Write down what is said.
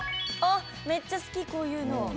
あっめっちゃ好きこういうの。